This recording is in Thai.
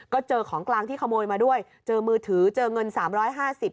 ก็เจอของกลางที่ขโมยมาด้วยเจอมือถือเจอเงินสามร้อยห้าสิบ